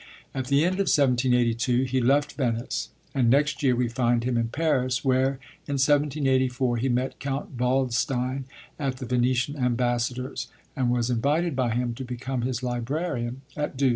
At the end of 1782 he left Venice; and next year we find him in Paris, where, in 1784, he met Count Waldstein at the Venetian Ambassador's, and was invited by him to become his librarian at Dux.